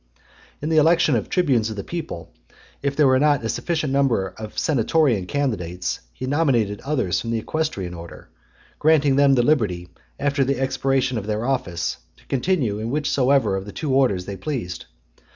XL. In the election of tribunes of the people, if there was not a sufficient number of senatorian candidates, he nominated others from the equestrian order; granting them the liberty, after the expiration of their office, to continue in whichsoever of the two orders they pleased.